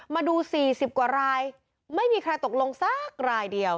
มาดู๔๐กว่ารายไม่มีใครตกลงสักรายเดียว